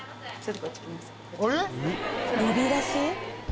「呼び出し？」